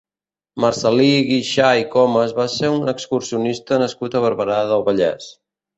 Marcel·lí Guixà i Comes va ser un excursionista nascut a Barberà del Vallès.